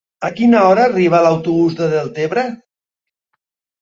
A quina hora arriba l'autobús de Deltebre?